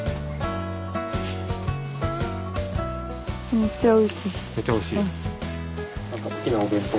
めっちゃおいしい。